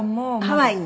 ハワイに？